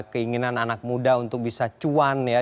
keinginan anak muda untuk bisa cuan ya